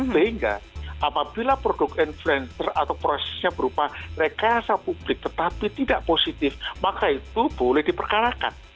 sehingga apabila produk influencer atau prosesnya berupa rekayasa publik tetapi tidak positif maka itu boleh diperkarakan